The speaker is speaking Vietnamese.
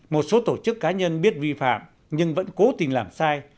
một số tổ chức cá nhân biết vi phạm nhưng vẫn cố tình làm sai